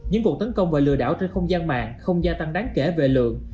những vụ tấn công và lừa đảo trên không gian mạng không gia tăng đáng kể về lượng